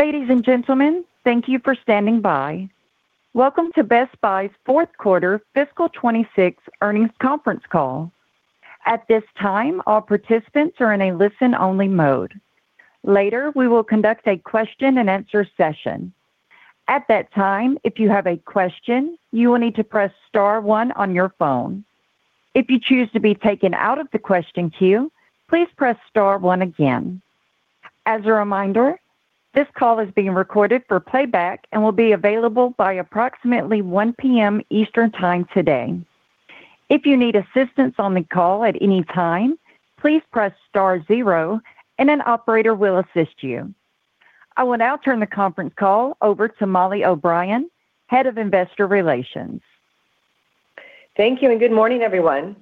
Ladies and gentlemen, thank you for standing by. Welcome to Best Buy's Fourth Quarter Fiscal 2026 Earnings Conference Call. At this time, all participants are in a listen-only mode. Later, we will conduct a question-and-answer session. At that time, if you have a question, you will need to press star one on your phone. If you choose to be taken out of the question queue, please press star one again. As a reminder, this call is being recorded for playback and will be available by approximately 1:00 P.M. Eastern Time today. If you need assistance on the call at any time, please press star zero and an operator will assist you. I will now turn the conference call over to Mollie O'Brien, Head of Investor Relations. Thank you. Good morning, everyone.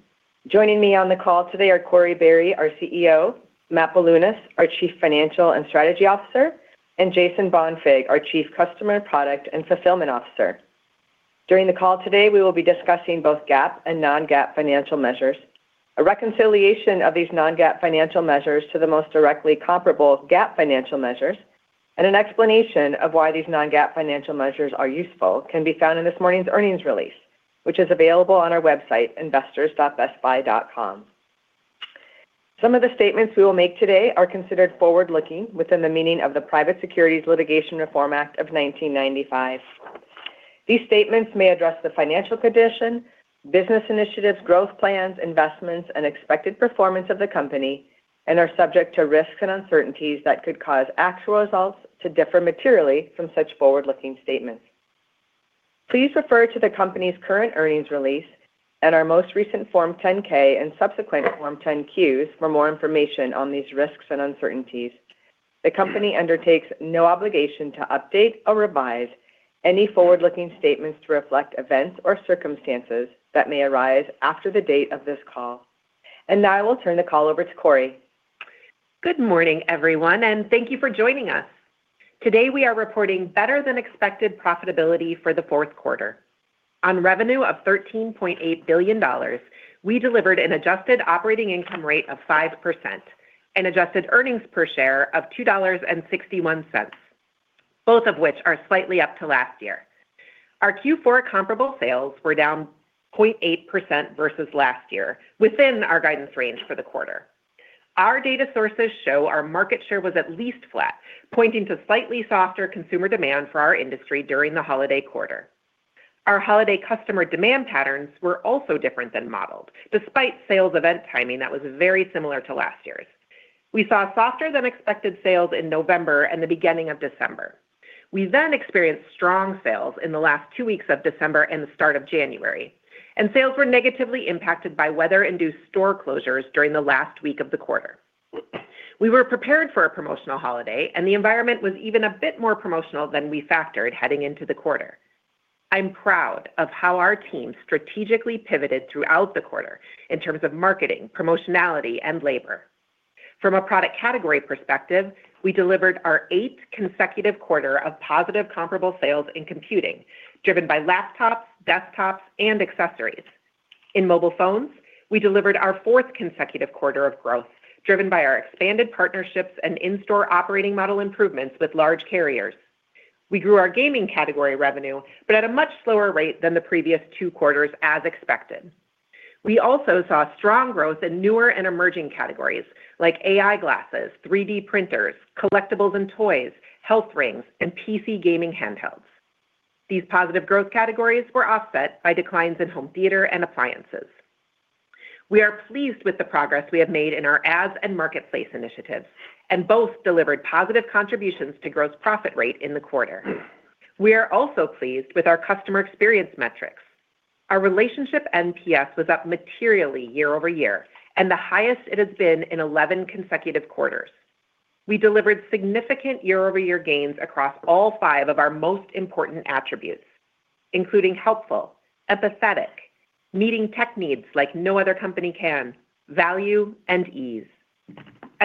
Joining me on the call today are Corie Barry, our CEO, Matt Bilunas, our Chief Financial and Strategy Officer, and Jason Bonfig, our Chief Customer, Product, and Fulfillment Officer. During the call today, we will be discussing both GAAP and non-GAAP financial measures. A reconciliation of these non-GAAP financial measures to the most directly comparable GAAP financial measures and an explanation of why these non-GAAP financial measures are useful can be found in this morning's earnings release, which is available on our website, investors.bestbuy.com. Some of the statements we will make today are considered forward-looking within the meaning of the Private Securities Litigation Reform Act of 1995. These statements may address the financial condition, business initiatives, growth plans, investments, and expected performance of the company and are subject to risks and uncertainties that could cause actual results to differ materially from such forward-looking statements. Please refer to the company's current earnings release and our most recent Form 10-K and subsequent Forms 10-Q for more information on these risks and uncertainties. The company undertakes no obligation to update or revise any forward-looking statements to reflect events or circumstances that may arise after the date of this call. Now I will turn the call over to Corie. Good morning, everyone, and thank you for joining us. Today, we are reporting better-than-expected profitability for the fourth quarter. On revenue of $13.8 billion, we delivered an adjusted operating income rate of 5% and adjusted earnings per share of $2.61, both of which are slightly up to last year. Our Q4 comparable sales were down 0.8% versus last year, within our guidance range for the quarter. Our data sources show our market share was at least flat, pointing to slightly softer consumer demand for our industry during the holiday quarter. Our holiday customer demand patterns were also different than modeled, despite sales event timing that was very similar to last year's. We saw softer-than-expected sales in November and the beginning of December. We experienced strong sales in the last two weeks of December and the start of January. Sales were negatively impacted by weather-induced store closures during the last week of the quarter. We were prepared for a promotional holiday. The environment was even a bit more promotional than we factored heading into the quarter. I'm proud of how our team strategically pivoted throughout the quarter in terms of marketing, promotionality, and labor. From a product category perspective, we delivered our eighth consecutive quarter of positive comparable sales in computing, driven by laptops, desktops, and accessories. In mobile phones, we delivered our fourth consecutive quarter of growth, driven by our expanded partnerships and in-store operating model improvements with large carriers. We grew our gaming category revenue. At a much slower rate than the previous two quarters as expected. We also saw strong growth in newer and emerging categories like AI glasses, 3D printers, collectibles and toys, health rings, and PC gaming handhelds. These positive growth categories were offset by declines in home theater and appliances. We are pleased with the progress we have made in our Ads and Marketplace initiatives, both delivered positive contributions to gross profit rate in the quarter. We are also pleased with our customer experience metrics. Our relationship NPS was up materially year-over-year and the highest it has been in 11 consecutive quarters. We delivered significant year-over-year gains across all five of our most important attributes, including helpful, empathetic, meeting tech needs like no other company can, value, and ease. As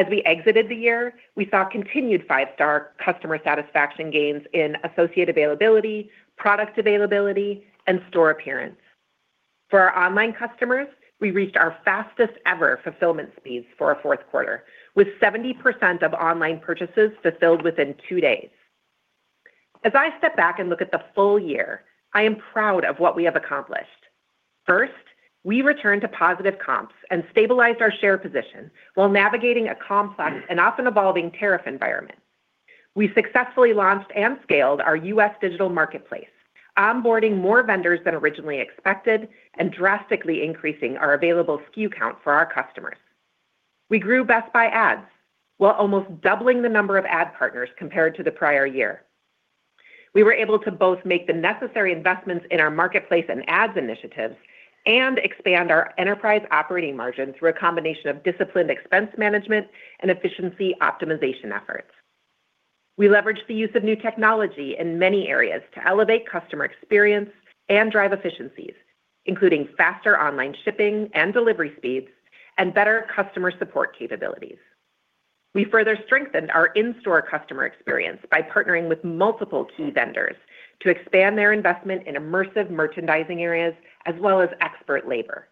we exited the year, we saw continued five-star customer satisfaction gains in associate availability, product availability, and store appearance. For our online customers, we reached our fastest ever fulfillment speeds for a fourth quarter, with 70% of online purchases fulfilled within two days. As I step back and look at the full year, I am proud of what we have accomplished. First, we returned to positive comps and stabilized our share position while navigating a complex and often evolving tariff environment. We successfully launched and scaled our U.S. digital marketplace, onboarding more vendors than originally expected and drastically increasing our available SKU count for our customers. We grew Best Buy Ads while almost doubling the number of ad partners compared to the prior year. We were able to both make the necessary investments in our marketplace and ads initiatives and expand our enterprise operating margin through a combination of disciplined expense management and efficiency optimization efforts. We leveraged the use of new technology in many areas to elevate customer experience and drive efficiencies, including faster online shipping and delivery speeds and better customer support capabilities. We further strengthened our in-store customer experience by partnering with multiple key vendors to expand their investment in immersive merchandising areas as well as expert labor.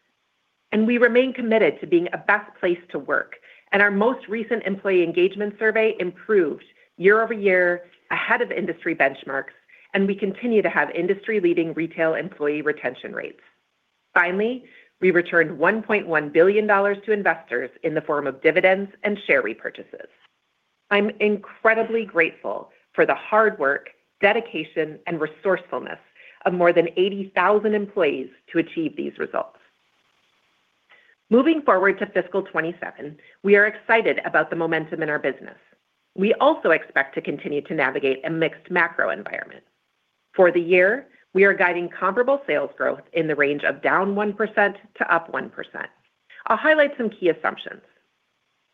We remain committed to being a best place to work and our most recent employee engagement survey improved year-over-year ahead of industry benchmarks, and we continue to have industry-leading retail employee retention rates. Finally, we returned $1.1 billion to investors in the form of dividends and share repurchases. I'm incredibly grateful for the hard work, dedication, and resourcefulness of more than 80,000 employees to achieve these results. Moving forward to fiscal 2027, we are excited about the momentum in our business. We also expect to continue to navigate a mixed macro environment. For the year, we are guiding comparable sales growth in the range of -1% to +1%. I'll highlight some key assumptions.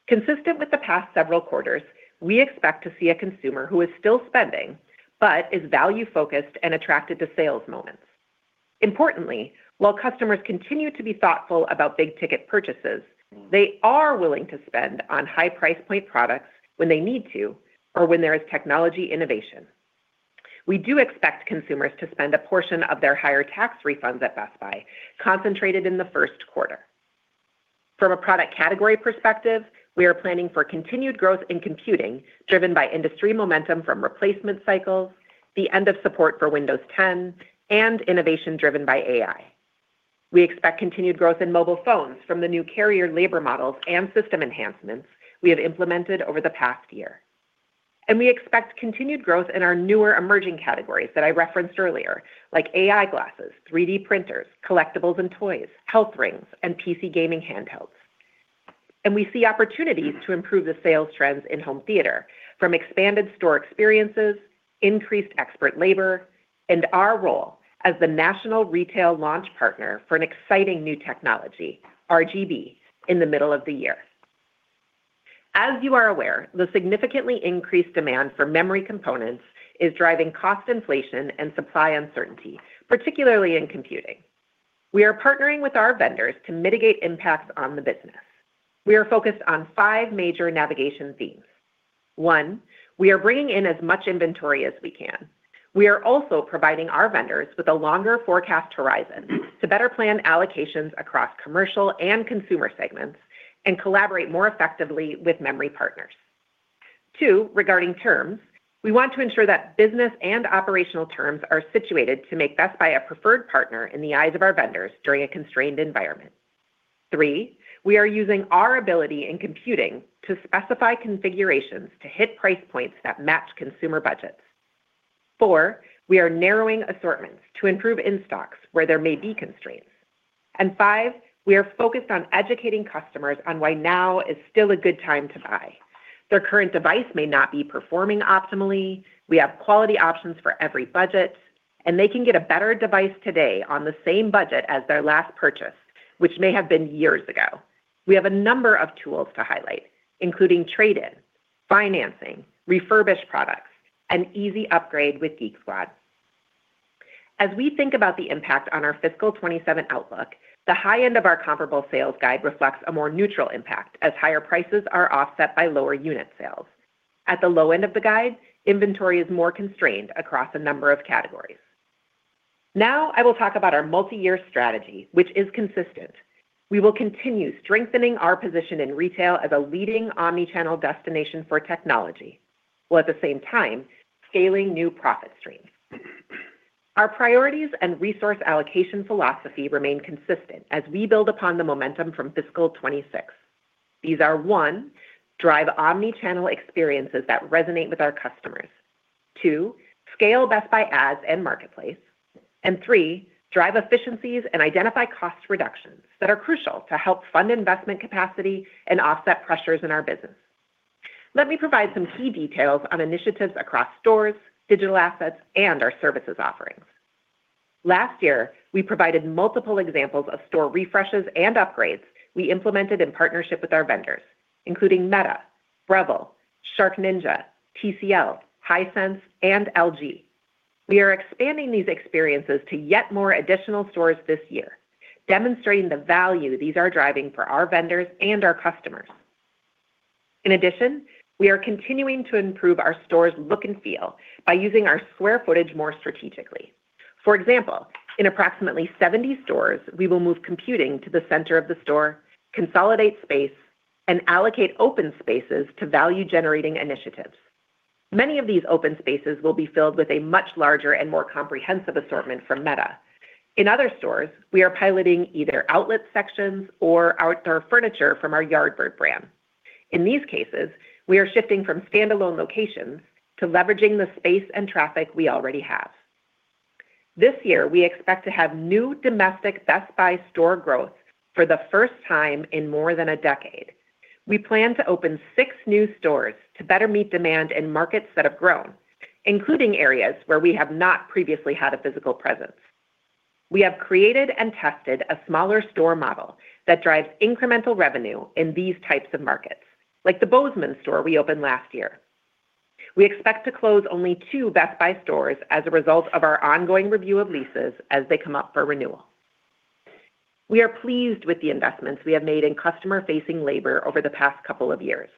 Consistent with the past several quarters, we expect to see a consumer who is still spending but is value-focused and attracted to sales moments. Importantly, while customers continue to be thoughtful about big-ticket purchases, they are willing to spend on high price point products when they need to or when there is technology innovation. We do expect consumers to spend a portion of their higher tax refunds at Best Buy, concentrated in the first quarter. From a product category perspective, we are planning for continued growth in computing, driven by industry momentum from replacement cycles, the end of support for Windows 10, and innovation driven by AI. We expect continued growth in mobile phones from the new carrier labor models and system enhancements we have implemented over the past year. We expect continued growth in our newer emerging categories that I referenced earlier, like AI glasses, 3D printers, collectibles and toys, health rings, and PC gaming handhelds. We see opportunities to improve the sales trends in home theater from expanded store experiences, increased expert labor, and our role as the national retail launch partner for an exciting new technology, RGB, in the middle of the year. As you are aware, the significantly increased demand for memory components is driving cost inflation and supply uncertainty, particularly in computing. We are partnering with our vendors to mitigate impacts on the business. We are focused on five major navigation themes. One, we are bringing in as much inventory as we can. We are also providing our vendors with a longer forecast horizon to better plan allocations across commercial and consumer segments and collaborate more effectively with memory partners. Two, regarding terms, we want to ensure that business and operational terms are situated to make Best Buy a preferred partner in the eyes of our vendors during a constrained environment. Three, we are using our ability in computing to specify configurations to hit price points that match consumer budgets. Four, we are narrowing assortments to improve in-stocks where there may be constraints. Five, we are focused on educating customers on why now is still a good time to buy. Their current device may not be performing optimally, we have quality options for every budget, and they can get a better device today on the same budget as their last purchase, which may have been years ago. We have a number of tools to highlight, including trade-in, financing, refurbished products, and easy upgrade with Geek Squad. As we think about the impact on our fiscal 2027 outlook, the high end of our comparable sales guide reflects a more neutral impact as higher prices are offset by lower unit sales. At the low end of the guide, inventory is more constrained across a number of categories. I will talk about our multi-year strategy, which is consistent. We will continue strengthening our position in retail as a leading omni-channel destination for technology, while at the same time scaling new profit streams. Our priorities and resource allocation philosophy remain consistent as we build upon the momentum from fiscal 2026. These are, one, drive omni-channel experiences that resonate with our customers. Two, scale Best Buy Ads and Marketplace. Three, drive efficiencies and identify cost reductions that are crucial to help fund investment capacity and offset pressures in our business. Let me provide some key details on initiatives across stores, digital assets, and our services offerings. Last year, we provided multiple examples of store refreshes and upgrades we implemented in partnership with our vendors, including Meta, Breville, SharkNinja, TCL, Hisense, and LG. We are expanding these experiences to yet more additional stores this year, demonstrating the value these are driving for our vendors and our customers. In addition, we are continuing to improve our stores' look and feel by using our square footage more strategically. For example, in approximately 70 stores, we will move computing to the center of the store, consolidate space, and allocate open spaces to value-generating initiatives. Many of these open spaces will be filled with a much larger and more comprehensive assortment from Meta. In other stores, we are piloting either outlet sections or outdoor furniture from our Yardbird brand. In these cases, we are shifting from standalone locations to leveraging the space and traffic we already have. This year, we expect to have new domestic Best Buy store growth for the first time in more than a decade. We plan to open six new stores to better meet demand in markets that have grown, including areas where we have not previously had a physical presence. We have created and tested a smaller store model that drives incremental revenue in these types of markets, like the Bozeman store we opened last year. We expect to close only two Best Buy stores as a result of our ongoing review of leases as they come up for renewal. We are pleased with the investments we have made in customer-facing labor over the past couple of years.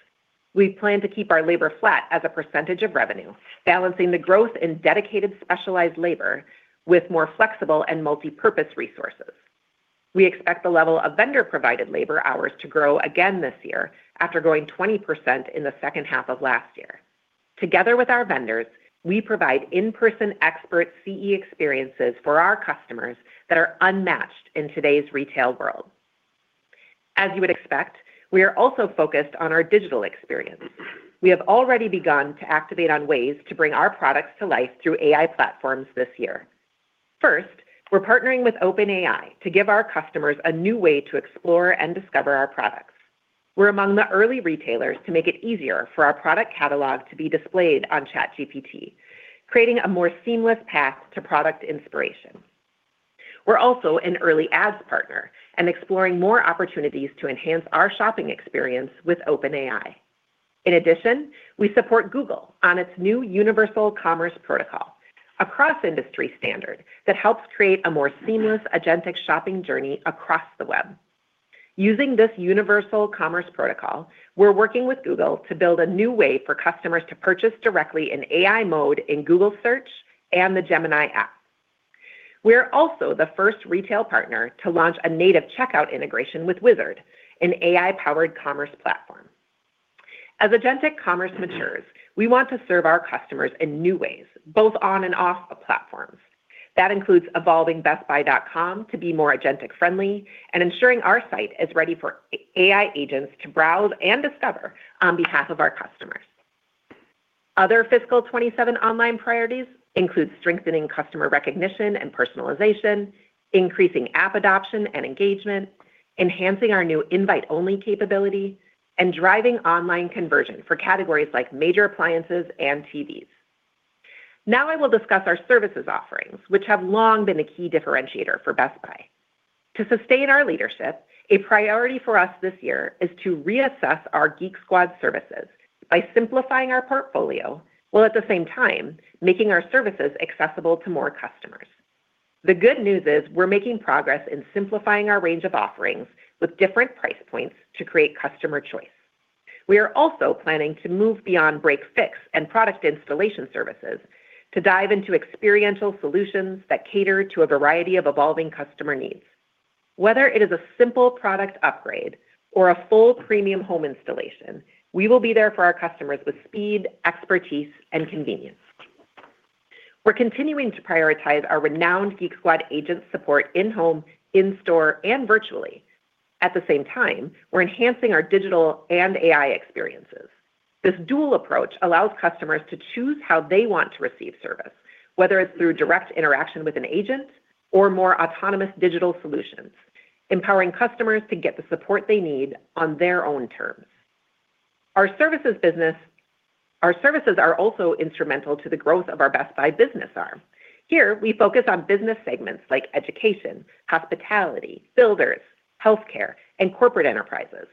We plan to keep our labor flat as a percentage of revenue, balancing the growth in dedicated specialized labor with more flexible and multipurpose resources. We expect the level of vendor-provided labor hours to grow again this year after growing 20% in the second half of last year. Together with our vendors, we provide in-person expert CE experiences for our customers that are unmatched in today's retail world. As you would expect, we are also focused on our digital experience. We have already begun to activate on ways to bring our products to life through AI platforms this year. First, we're partnering with OpenAI to give our customers a new way to explore and discover our products. We're among the early retailers to make it easier for our product catalog to be displayed on ChatGPT, creating a more seamless path to product inspiration. We're also an early ads partner and exploring more opportunities to enhance our shopping experience with OpenAI. In addition, we support Google on its new Universal Commerce Protocol, a cross-industry standard that helps create a more seamless agentic shopping journey across the web. Using this Universal Commerce Protocol, we're working with Google to build a new way for customers to purchase directly in AI mode in Google Search and the Gemini app. We are also the first retail partner to launch a native checkout integration with Wizard, an AI-powered commerce platform. As agentic commerce matures, we want to serve our customers in new ways, both on and off of platforms. That includes evolving BestBuy.com to be more agentic-friendly and ensuring our site is ready for AI agents to browse and discover on behalf of our customers. Other fiscal 2027 online priorities include strengthening customer recognition and personalization, increasing app adoption and engagement, enhancing our new invite-only capability, and driving online conversion for categories like major appliances and TVs. I will discuss our services offerings, which have long been a key differentiator for Best Buy. To sustain our leadership, a priority for us this year is to reassess our Geek Squad services by simplifying our portfolio while at the same time making our services accessible to more customers. The good news is we're making progress in simplifying our range of offerings with different price points to create customer choice. We are also planning to move beyond break-fix and product installation services to dive into experiential solutions that cater to a variety of evolving customer needs. Whether it is a simple product upgrade or a full premium home installation, we will be there for our customers with speed, expertise and convenience. We're continuing to prioritize our renowned Geek Squad agent support in-home, in-store and virtually. At the same time, we're enhancing our digital and AI experiences. This dual approach allows customers to choose how they want to receive service, whether it's through direct interaction with an agent or more autonomous digital solutions, empowering customers to get the support they need on their own terms. Our services are also instrumental to the growth of our Best Buy Business arm. Here we focus on business segments like education, hospitality, builders, healthcare and corporate enterprises.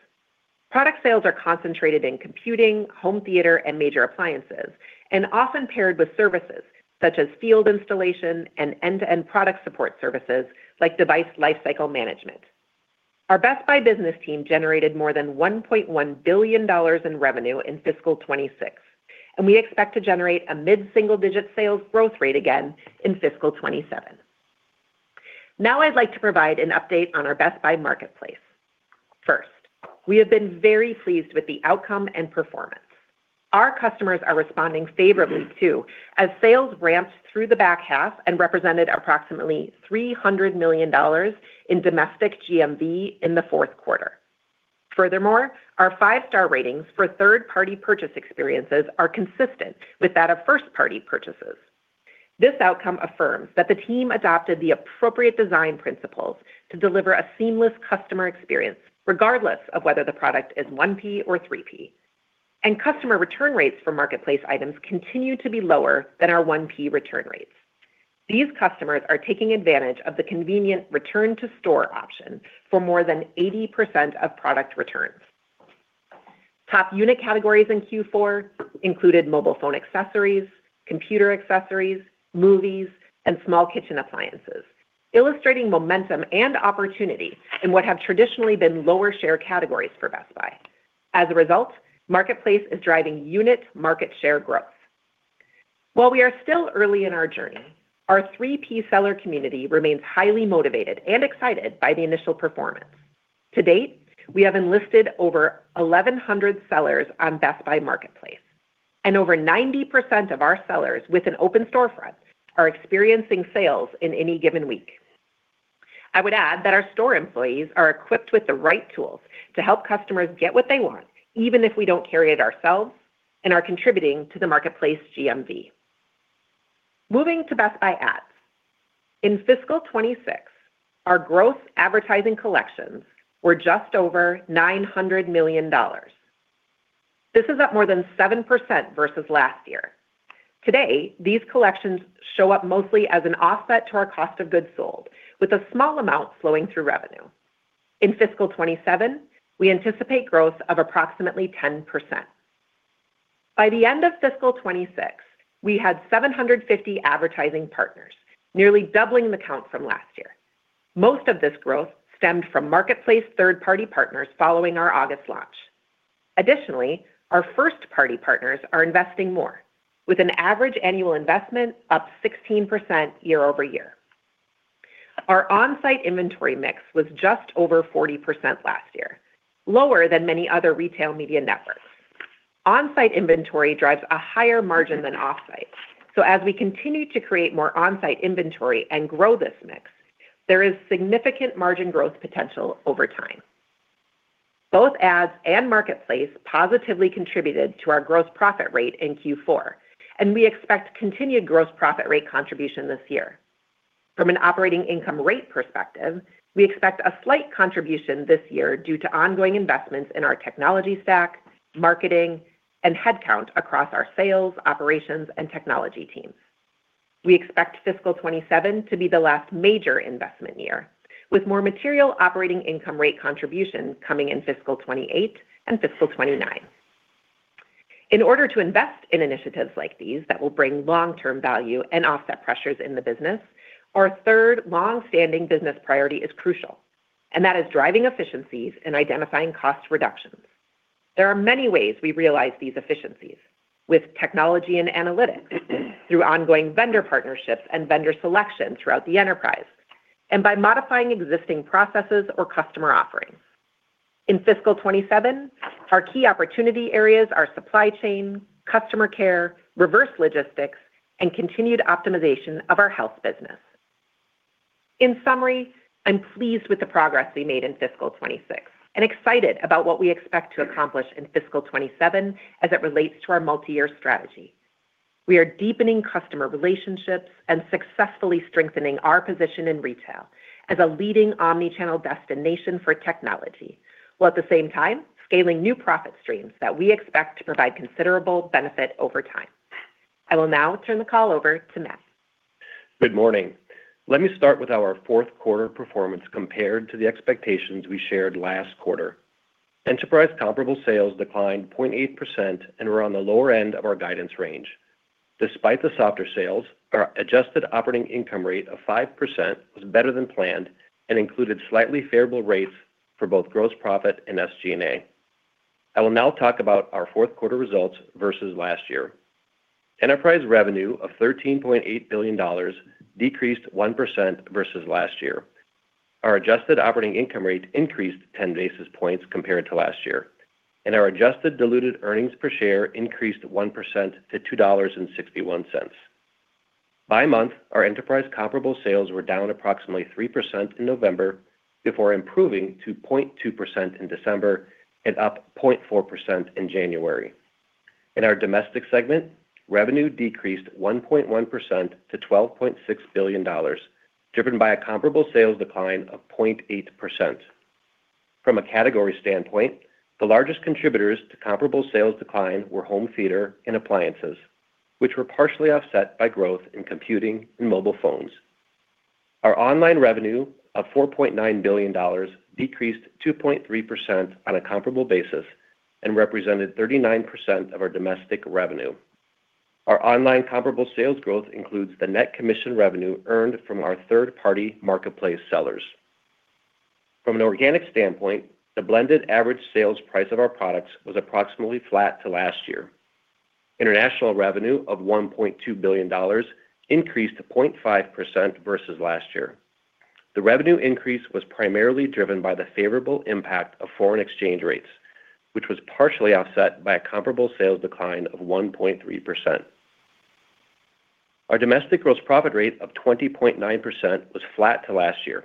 Product sales are concentrated in computing, home theater and major appliances, and often paired with services such as field installation and end-to-end product support services like device lifecycle management. Our Best Buy Business team generated more than $1.1 billion in revenue in fiscal 2026, and we expect to generate a mid-single-digit sales growth rate again in fiscal 2027. Now I'd like to provide an update on our Best Buy Marketplace. First, we have been very pleased with the outcome and performance. Our customers are responding favorably too, as sales ramped through the back half and represented approximately $300 million in domestic GMV in the fourth quarter. Furthermore, our Five-star ratings for third-party purchase experiences are consistent with that of first-party purchases. This outcome affirms that the team adopted the appropriate design principles to deliver a seamless customer experience, regardless of whether the product is 1P or 3P. Customer return rates for Marketplace items continue to be lower than our 1P return rates. These customers are taking advantage of the convenient return-to-store option for more than 80% of product returns. Top unit categories in Q4 included mobile phone accessories, computer accessories, movies and small kitchen appliances, illustrating momentum and opportunity in what have traditionally been lower-share categories for Best Buy. As a result, Marketplace is driving unit market share growth. While we are still early in our journey, our 3P seller community remains highly motivated and excited by the initial performance. To date, we have enlisted over 1,100 sellers on Best Buy Marketplace, over 90% of our sellers with an open storefront are experiencing sales in any given week. I would add that our store employees are equipped with the right tools to help customers get what they want, even if we don't carry it ourselves, and are contributing to the Marketplace GMV. Moving to Best Buy Ads. In fiscal 2026, our growth advertising collections were just over $900 million. This is up more than 7% versus last year. Today, these collections show up mostly as an offset to our cost of goods sold, with a small amount flowing through revenue. In fiscal 2027, we anticipate growth of approximately 10%. By the end of fiscal 2026, we had 750 advertising partners, nearly doubling the count from last year. Most of this growth stemmed from marketplace third-party partners following our August launch. Additionally, our first-party partners are investing more with an average annual investment up 16% year-over-year. Our on-site inventory mix was just over 40% last year, lower than many other retail media networks. On-site inventory drives a higher margin than off-site. As we continue to create more on-site inventory and grow this mix, there is significant margin growth potential over time. Both ads and marketplace positively contributed to our gross profit rate in Q4, and we expect continued gross profit rate contribution this year. From an operating income rate perspective, we expect a slight contribution this year due to ongoing investments in our technology stack, marketing and headcount across our sales, operations, and technology teams. We expect fiscal 2027 to be the last major investment year, with more material operating income rate contributions coming in fiscal 2028 and fiscal 2029. In order to invest in initiatives like these that will bring long-term value and offset pressures in the business, our third long-standing business priority is crucial, and that is driving efficiencies and identifying cost reductions. There are many ways we realize these efficiencies with technology and analytics through ongoing vendor partnerships and vendor selection throughout the enterprise, and by modifying existing processes or customer offerings. In fiscal 2027, our key opportunity areas are supply chain, customer care, reverse logistics, and continued optimization of our health business. In summary, I'm pleased with the progress we made in fiscal 2026 and excited about what we expect to accomplish in fiscal 2027 as it relates to our multi-year strategy. We are deepening customer relationships and successfully strengthening our position in retail as a leading omni-channel destination for technology, while at the same time scaling new profit streams that we expect to provide considerable benefit over time. I will now turn the call over to Matt. Good morning. Let me start with our fourth quarter performance compared to the expectations we shared last quarter. Enterprise comparable sales declined 0.8% and were on the lower end of our guidance range. Despite the softer sales, our adjusted operating income rate of 5% was better than planned and included slightly favorable rates for both gross profit and SG&A. I will now talk about our fourth quarter results versus last year. Enterprise revenue of $13.8 billion decreased 1% versus last year. Our adjusted operating income rate increased 10 basis points compared to last year, and our adjusted diluted earnings per share increased 1% to $2.61. By month, our enterprise comparable sales were down approximately 3% in November before improving to 0.2% in December and up 0.4% in January. In our domestic segment, revenue decreased 1.1% to $12.6 billion, driven by a comparable sales decline of 0.8%. From a category standpoint, the largest contributors to comparable sales decline were home theater and appliances, which were partially offset by growth in computing and mobile phones. Our online revenue of $4.9 billion decreased 2.3% on a comparable basis and represented 39% of our domestic revenue. Our online comparable sales growth includes the net commission revenue earned from our third-party marketplace sellers. From an organic standpoint, the blended average sales price of our products was approximately flat to last year. International revenue of $1.2 billion increased 0.5% versus last year. The revenue increase was primarily driven by the favorable impact of foreign exchange rates, which was partially offset by a comparable sales decline of 1.3%. Our domestic gross profit rate of 20.9% was flat to last year.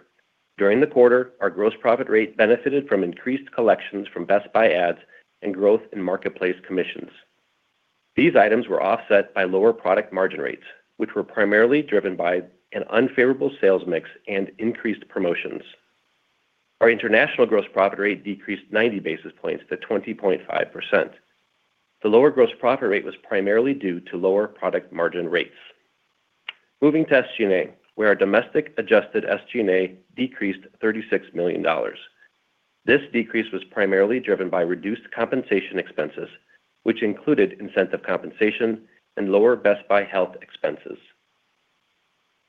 During the quarter, our gross profit rate benefited from increased collections from Best Buy Ads and growth in Marketplace commissions. These items were offset by lower product margin rates, which were primarily driven by an unfavorable sales mix and increased promotions. Our international gross profit rate decreased 90 basis points to 20.5%. The lower gross profit rate was primarily due to lower product margin rates. Moving to SG&A, where our domestic adjusted SG&A decreased $36 million. This decrease was primarily driven by reduced compensation expenses, which included incentive compensation and lower Best Buy Health expenses.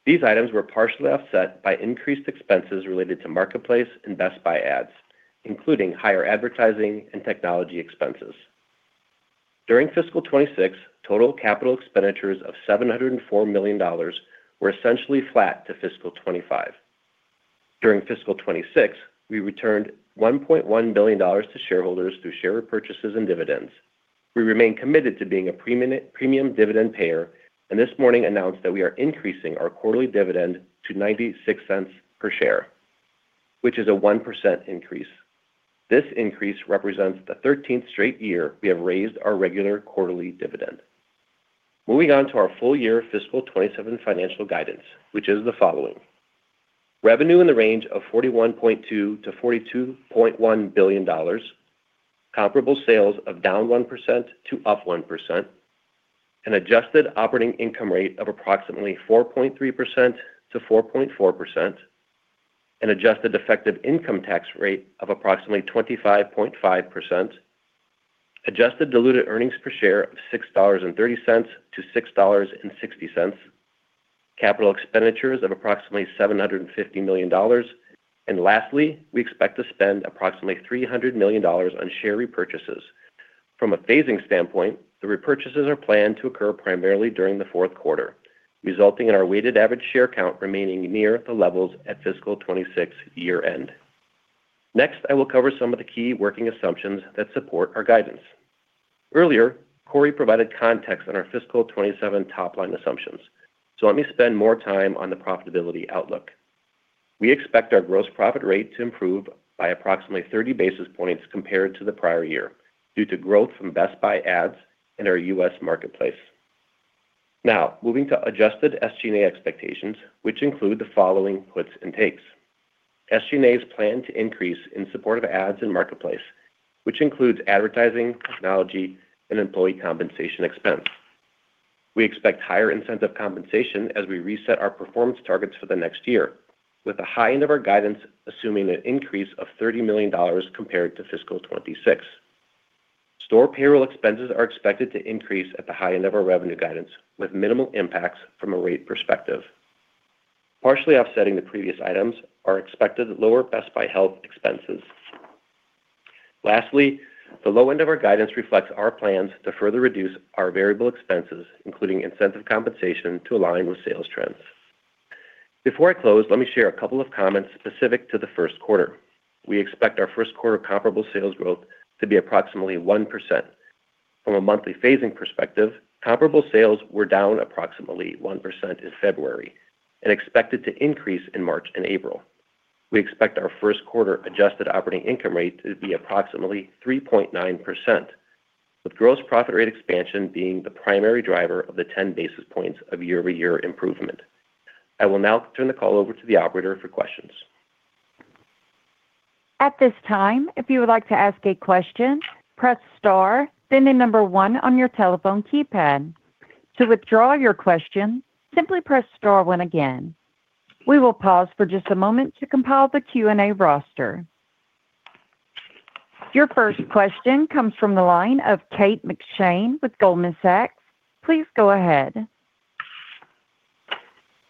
These items were partially offset by increased expenses related to marketplace and Best Buy Ads, including higher advertising and technology expenses. During fiscal 2026, total capital expenditures of $704 million were essentially flat to fiscal 2025. During fiscal 2026, we returned $1.1 billion to shareholders through share repurchases and dividends. We remain committed to being a premium dividend payer and this morning announced that we are increasing our quarterly dividend to $0.96 per share, which is a 1% increase. This increase represents the 13th straight year we have raised our regular quarterly dividend. Moving on to our full year fiscal 2027 financial guidance, which is the following. Revenue in the range of $41.2 billion-$42.1 billion, comparable sales of -1% to +1%. An adjusted operating income rate of approximately 4.3%-4.4%. An adjusted effective income tax rate of approximately 25.5%. Adjusted diluted earnings per share of $6.30 to $6.60. Capital expenditures of approximately $750 million. Lastly, we expect to spend approximately $300 million on share repurchases. From a phasing standpoint, the repurchases are planned to occur primarily during the fourth quarter, resulting in our weighted average share count remaining near the levels at fiscal 2026 year-end. Next, I will cover some of the key working assumptions that support our guidance. Earlier, Corie provided context on our fiscal 2027 top-line assumptions, let me spend more time on the profitability outlook. We expect our gross profit rate to improve by approximately 30 basis points compared to the prior year due to growth from Best Buy Ads in our US Marketplace. Moving to adjusted SG&A expectations, which include the following puts and takes. SG&A is planned to increase in support of Ads in Marketplace, which includes advertising, technology and employee compensation expense. We expect higher incentive compensation as we reset our performance targets for the next year, with the high end of our guidance assuming an increase of $30 million compared to fiscal 2026. Store payroll expenses are expected to increase at the high end of our revenue guidance with minimal impacts from a rate perspective. Partially offsetting the previous items are expected lower Best Buy Health expenses. Lastly, the low end of our guidance reflects our plans to further reduce our variable expenses, including incentive compensation, to align with sales trends. Before I close, let me share a couple of comments specific to the first quarter. We expect our first quarter comparable sales growth to be approximately 1%. From a monthly phasing perspective, comparable sales were down approximately 1% in February and expected to increase in March and April. We expect our first quarter adjusted operating income rate to be approximately 3.9%, with gross profit rate expansion being the primary driver of the 10 basis points of year-over-year improvement. I will now turn the call over to the operator for questions. At this time, if you would like to ask a question, press star, then the number one on your telephone keypad. To withdraw your question, simply press star one again. We will pause for just a moment to compile the Q&A roster. Your first question comes from the line of Kate McShane with Goldman Sachs. Please go ahead.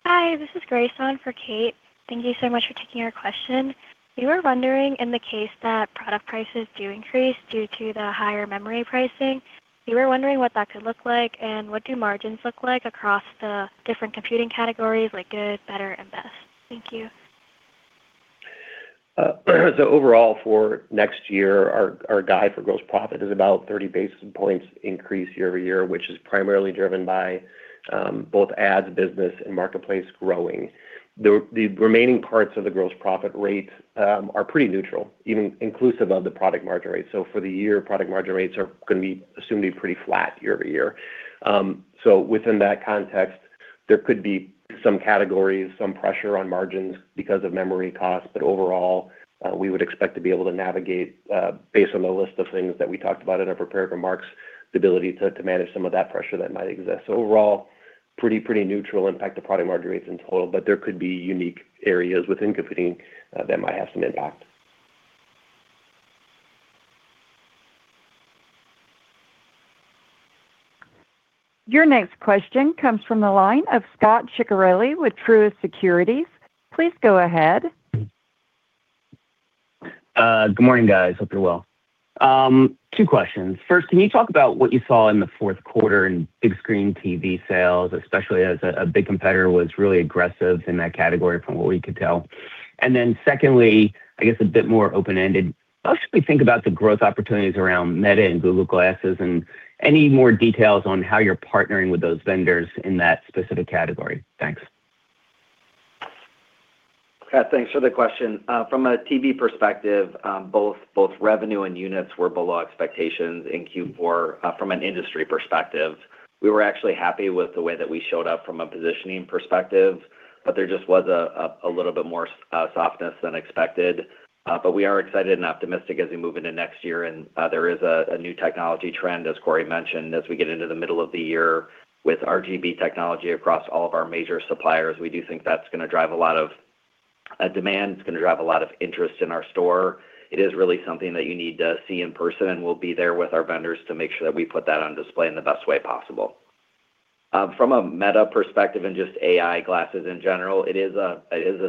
Hi, this is Grace on for Kate. Thank you so much for taking our question. We were wondering in the case that product prices do increase due to the higher memory pricing, we were wondering what that could look like and what do margins look like across the different computing categories like good, better and best. Thank you. Overall for next year, our guide for gross profit is about 30 basis points increase year-over-year, which is primarily driven by both ads business and marketplace growing. The remaining parts of the gross profit rate are pretty neutral, even inclusive of the product margin rate. For the year, product margin rates assumed to be pretty flat year-over-year. Within that context, there could be some categories, some pressure on margins because of memory costs. Overall, we would expect to be able to navigate, based on the list of things that we talked about in our prepared remarks, the ability to manage some of that pressure that might exist. Overall, pretty neutral impact to product margin rates in total, but there could be unique areas within computing that might have some impact. Your next question comes from the line of Scot Ciccarelli with Truist Securities. Please go ahead. Good morning, guys. Hope you're well. Two questions. First, can you talk about what you saw in the fourth quarter in big screen TV sales, especially as a big competitor was really aggressive in that category from what we could tell. Secondly, I guess a bit more open-ended, how should we think about the growth opportunities around Meta and Google Glasses and any more details on how you're partnering with those vendors in that specific category? Thanks. Scot, thanks for the question. From a TV perspective, both revenue and units were below expectations in Q4 from an industry perspective. We were actually happy with the way that we showed up from a positioning perspective, but there just was a little bit more softness than expected. We are excited and optimistic as we move into next year and there is a new technology trend, as Corie mentioned, as we get into the middle of the year with RGB technology across all of our major suppliers. We do think that's gonna drive a lot of demand. It's gonna drive a lot of interest in our store. It is really something that you need to see in person, and we'll be there with our vendors to make sure that we put that on display in the best way possible. From a Meta perspective and just AI glasses in general, it is a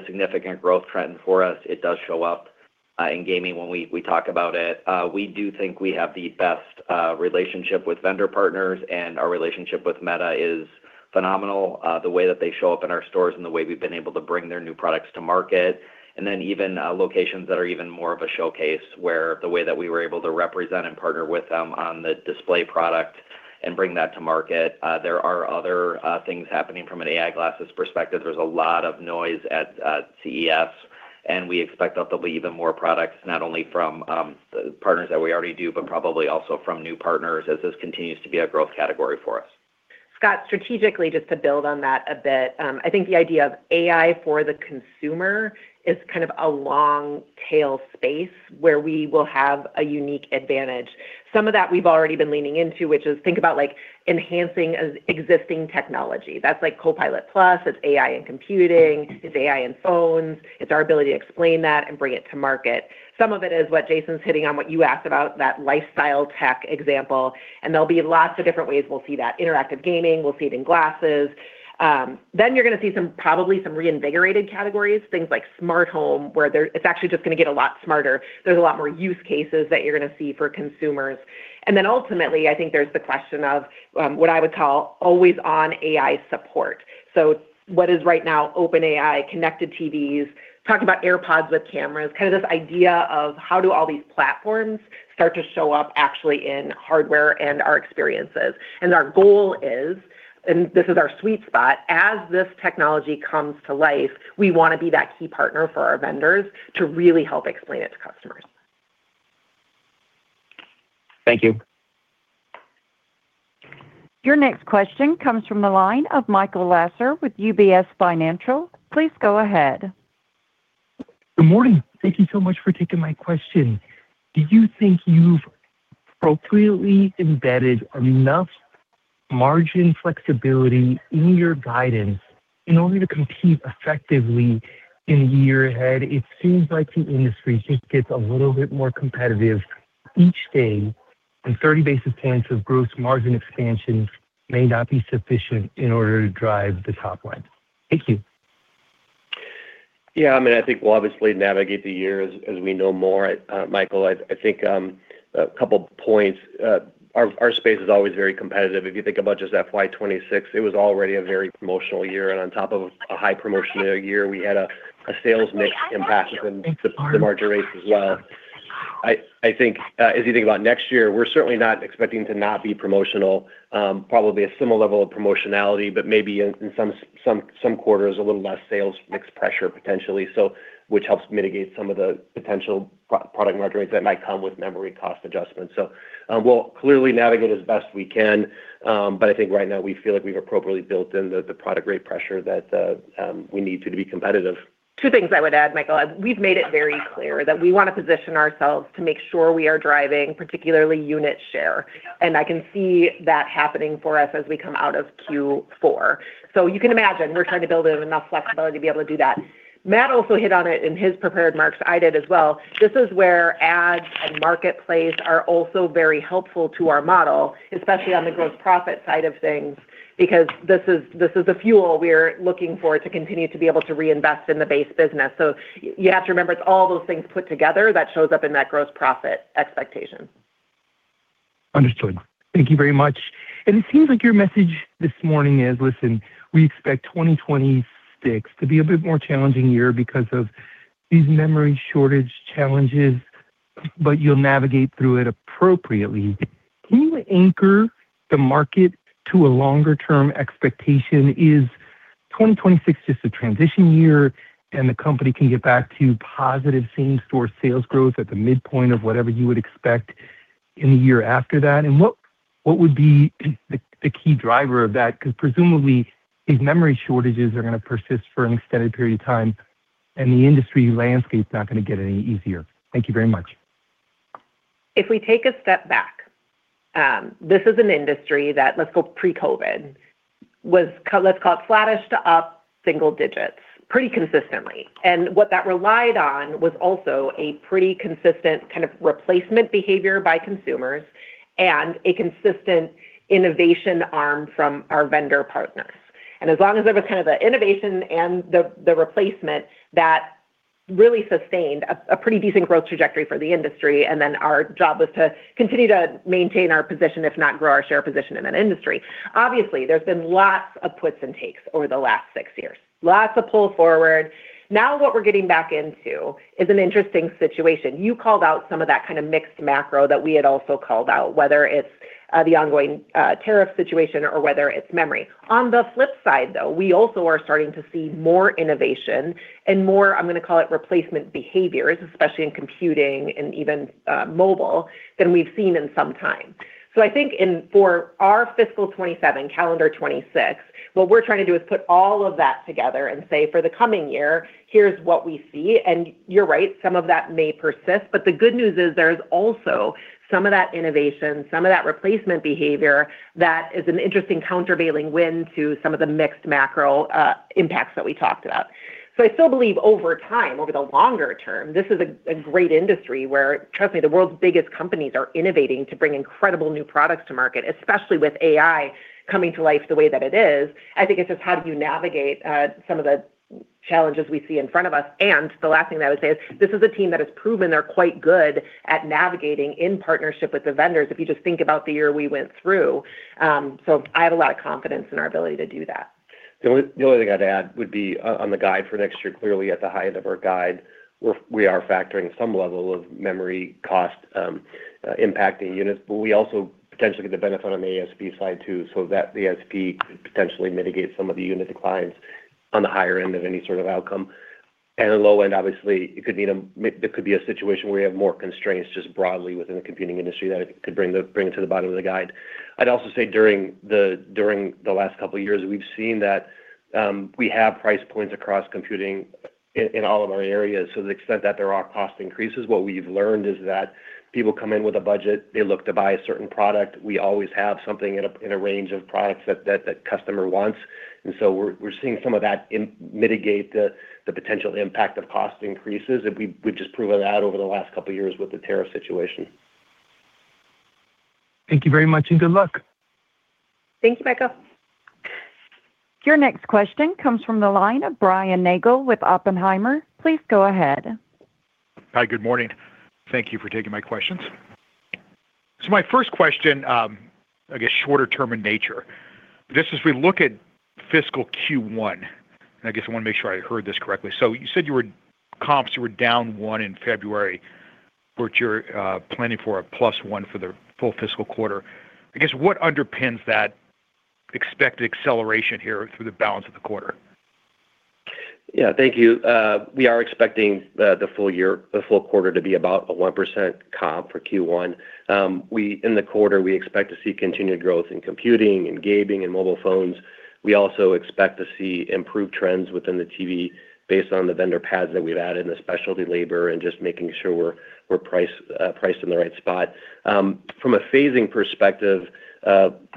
significant growth trend for us. It does show up in gaming when we talk about it. We do think we have the best relationship with vendor partners, and our relationship with Meta is phenomenal, the way that they show up in our stores and the way we've been able to bring their new products to market. Even locations that are even more of a showcase, where the way that we were able to represent and partner with them on the display product and bring that to market. There are other things happening from an AI glasses perspective. There's a lot of noise at CES. We expect there'll be even more products, not only from partners that we already do, but probably also from new partners as this continues to be a growth category for us. Scot, strategically, just to build on that a bit, I think the idea of AI for the consumer is kind of a long tail space where we will have a unique advantage. Some of that we've already been leaning into, which is think about like enhancing existing technology. That's like Copilot+ PC, it's AI in computing, it's AI in phones. It's our ability to explain that and bring it to market. Some of it is what Jason's hitting on, what you asked about, that lifestyle tech example, and there'll be lots of different ways we'll see that. Interactive gaming, we'll see it in glasses. You're gonna see probably some reinvigorated categories, things like smart home, where it's actually just gonna get a lot smarter. There's a lot more use cases that you're gonna see for consumers. Ultimately, I think there's the question of what I would call always-on AI support. What is right now OpenAI, connected TVs, talk about AirPods with cameras, kind of this idea of how do all these platforms start to show up actually in hardware and our experiences. Our goal is, and this is our sweet spot, as this technology comes to life, we wanna be that key partner for our vendors to really help explain it to customers. Thank you. Your next question comes from the line of Michael Lasser with UBS Financial. Please go ahead. Good morning. Thank you so much for taking my question. Do you think you've appropriately embedded enough margin flexibility in your guidance in order to compete effectively in the year ahead? It seems like the industry just gets a little bit more competitive each day. 30 basis points of gross margin expansion may not be sufficient in order to drive the top line. Thank you. Yeah, I mean, I think we'll obviously navigate the year as we know more. Michael, I think a couple points. Our space is always very competitive. If you think about just FY 2026, it was already a very promotional year. On top of a high promotional year, we had a sales mix impact in the margin rates as well. I think as you think about next year, we're certainly not expecting to not be promotional, probably a similar level of promotionality, but maybe in some quarters, a little less sales mix pressure potentially, so which helps mitigate some of the potential product margin rates that might come with memory cost adjustments. We'll clearly navigate as best we can, but I think right now we feel like we've appropriately built in the product rate pressure that we need to be competitive. Two things I would add, Michael. We've made it very clear that we want to position ourselves to make sure we are driving particularly unit share, and I can see that happening for us as we come out of Q4. You can imagine we're trying to build in enough flexibility to be able to do that. Matt also hit on it in his prepared remarks. I did as well. This is where ads and marketplace are also very helpful to our model, especially on the gross profit side of things, because this is the fuel we're looking for to continue to be able to reinvest in the base business. You have to remember it's all those things put together that shows up in that gross profit expectation. Understood. Thank you very much. It seems like your message this morning is, listen, we expect 2026 to be a bit more challenging year because of these memory shortage challenges, but you'll navigate through it appropriately. Can you anchor the market to a longer term expectation? Is 2026 just a transition year and the company can get back to positive same store sales growth at the midpoint of whatever you would expect in the year after that? What would be the key driver of that? Presumably these memory shortages are gonna persist for an extended period of time and the industry landscape's not gonna get any easier. Thank you very much. If we take a step back, this is an industry that, let's go pre-COVID, was let's call it flattish to up single digits pretty consistently. What that relied on was also a pretty consistent kind of replacement behavior by consumers and a consistent innovation arm from our vendor partners. As long as there was kind of the innovation and the replacement that really sustained a pretty decent growth trajectory for the industry, our job was to continue to maintain our position, if not grow our share position in that industry. Obviously, there's been lots of puts and takes over the last six years. Lots of pull forward. Now what we're getting back into is an interesting situation. You called out some of that kind of mixed macro that we had also called out, whether it's the ongoing tariff situation or whether it's memory. On the flip side, though, we also are starting to see more innovation and more, I'm gonna call it replacement behaviors, especially in computing and even mobile than we've seen in some time. I think for our fiscal 2027, calendar 2026, what we're trying to do is put all of that together and say for the coming year, here's what we see, and you're right, some of that may persist, but the good news is there's also some of that innovation, some of that replacement behavior that is an interesting countervailing wind to some of the mixed macro impacts that we talked about. I still believe over time, over the longer term, this is a great industry where, trust me, the world's biggest companies are innovating to bring incredible new products to market, especially with AI coming to life the way that it is. I think it's just how do you navigate some of the challenges we see in front of us. The last thing that I would say is this is a team that has proven they're quite good at navigating in partnership with the vendors, if you just think about the year we went through. I have a lot of confidence in our ability to do that. The only thing I'd add would be on the guide for next year, clearly at the high end of our guide, we are factoring some level of memory cost impacting units, but we also potentially get the benefit on the ASP side too, so that ASP could potentially mitigate some of the unit declines on the higher end of any sort of outcome. The low end, obviously, there could be a situation where you have more constraints just broadly within the computing industry that could bring it to the bottom of the guide. I'd also say during the last couple of years, we've seen that we have price points across computing in all of our areas. To the extent that there are cost increases, what we've learned is that people come in with a budget, they look to buy a certain product. We always have something in a range of products that customer wants. We're seeing some of that in mitigate the potential impact of cost increases, and we've just proven that over the last couple of years with the tariff situation. Thank you very much, and good luck. Thanks, Michael. Your next question comes from the line of Brian Nagel with Oppenheimer. Please go ahead. Hi, good morning. Thank you for taking my questions. My first question, I guess shorter term in nature. This is we look at fiscal Q1, and I guess I want to make sure I heard this correctly. You said your comps were down 1% in February, but you're planning for a +1% for the full fiscal quarter. I guess what underpins that expected acceleration here through the balance of the quarter? Yeah, thank you. We are expecting the full year, the full quarter to be about a 1% comp for Q1. In the quarter, we expect to see continued growth in computing, in gaming, in mobile phones. We also expect to see improved trends within the TV based on the vendor pads that we've added and the specialty labor, and just making sure we're priced in the right spot. From a phasing perspective,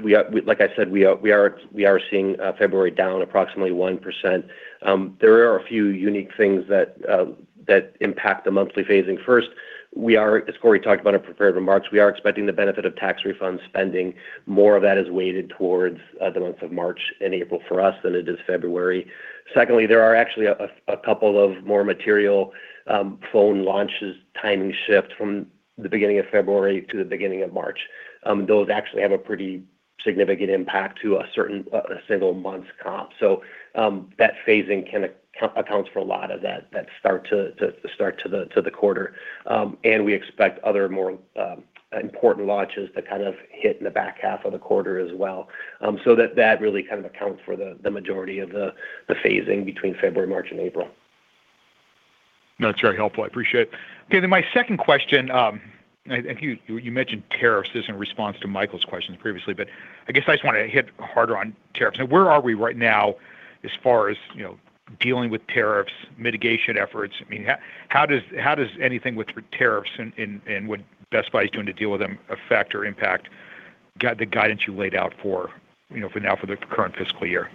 we, like I said, we are seeing February down approximately 1%. There are a few unique things that impact the monthly phasing. First, we are, as Corie talked about in prepared remarks, we are expecting the benefit of tax refund spending. More of that is weighted towards the month of March and April for us than it is February. Secondly, there are actually a couple of more material phone launches timing shift from the beginning of February to the beginning of March. Those actually have a pretty significant impact to a single month's comp. That phasing accounts for a lot of that start to the quarter. We expect other more important launches to kind of hit in the back half of the quarter as well. That really kind of accounts for the majority of the phasing between February, March and April. No, that's very helpful. I appreciate it. Okay, my second question, and you mentioned tariffs. This is in response to Michael's questions previously, but I guess I just want to hit harder on tariffs. Now, where are we right now as far as, you know, dealing with tariffs, mitigation efforts? I mean, how does anything with tariffs and what Best Buy is doing to deal with them affect or impact the guidance you laid out for, you know, for now for the current fiscal year?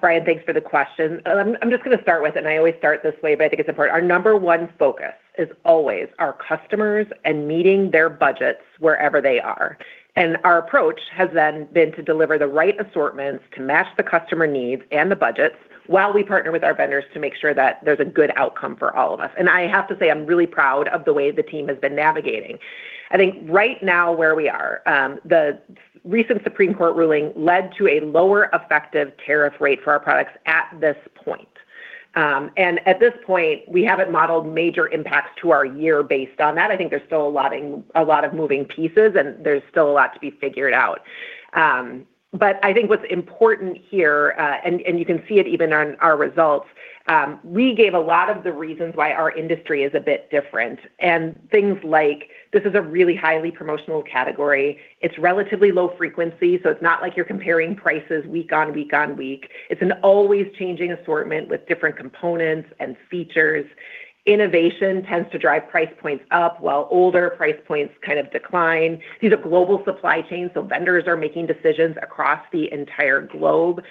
Brian, thanks for the question. I'm just gonna start with it, and I always start this way, but I think it's important. Our number one focus is always our customers and meeting their budgets wherever they are. Our approach has then been to deliver the right assortments to match the customer needs and the budgets while we partner with our vendors to make sure that there's a good outcome for all of us. I have to say, I'm really proud of the way the team has been navigating. I think right now where we are, the recent Supreme Court ruling led to a lower effective tariff rate for our products at this point. At this point, we haven't modeled major impacts to our year based on that. I think there's still a lot in, a lot of moving pieces, and there's still a lot to be figured out. I think what's important here, and you can see it even on our results, we gave a lot of the reasons why our industry is a bit different, and things like this is a really highly promotional category. It's relatively low frequency, it's not like you're comparing prices week on week on week. It's an always changing assortment with different components and features. Innovation tends to drive price points up while older price points kind of decline. These are global supply chains, vendors are making decisions across the entire globe.